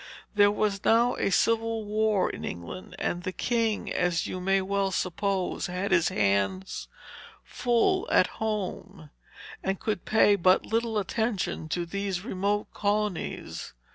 "There was now a civil war in England; and the king, as you may well suppose, had his hands full at home, and could pay but little attention to these remote colonies.